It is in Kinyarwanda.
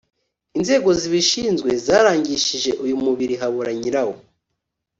inzego zibishinzwe zarangishije uyu mubiri habura nyirawo,